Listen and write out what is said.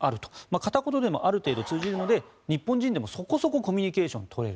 片言でもある程度通じるので日本人でもそこそこコミュニケーションが取れる。